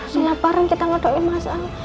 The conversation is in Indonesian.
setiap hari kita ngodokin masalah